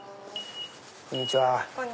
こんにちは。